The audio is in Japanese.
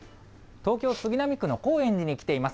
東京・杉並区の高円寺に来ています。